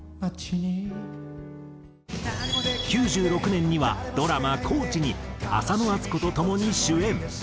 ９６年にはドラマ『コーチ』に浅野温子と共に主演。